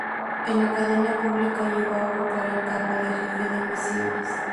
En la cadena pública llegó a ocupar el cargo de Jefe de emisiones.